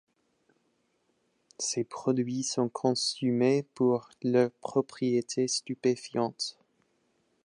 Ces produits sont consommés pour leurs propriétés stupéfiantes.